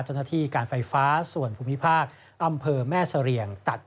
เจ้าหน้าที่การไฟฟ้าส่วนภูมิภาคอำเภอแม่เสรียงตัด